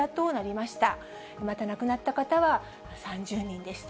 また亡くなった方は３０人でした。